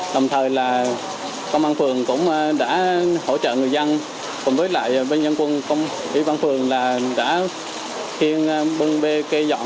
đồng thời là công an phường cũng đã hỗ trợ người dân cùng với lại bên dân quân công y văn phường là đã khiên bưng bê cây dọn